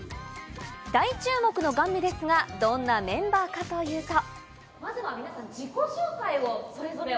大注目のＧＡＮＭＩですが、どんなメンバーかというと。